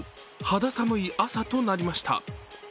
肌寒い朝となりました。